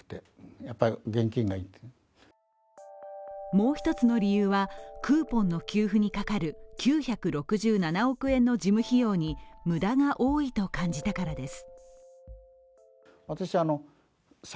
もう一つの理由は、クーポンの給付にかかる９６７億円の事務費用に無駄が多いと感じたからです。